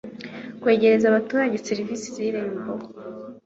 kwegereza abaturage serivisi z irembo